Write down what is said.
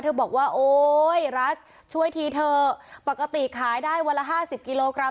บอกว่าโอ๊ยรัฐช่วยทีเถอะปกติขายได้วันละห้าสิบกิโลกรัม